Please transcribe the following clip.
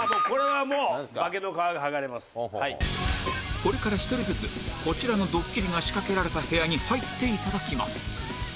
これから１人ずつこちらのドッキリが仕掛けられた部屋に入っていただきます